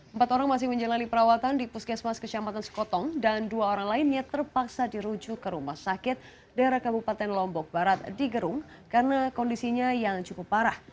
empat orang masih menjalani perawatan di puskesmas kecamatan sekotong dan dua orang lainnya terpaksa dirujuk ke rumah sakit daerah kabupaten lombok barat di gerung karena kondisinya yang cukup parah